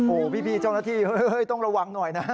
โอ้โฮพี่เจ้านาธิต้องระวังหน่อยนะ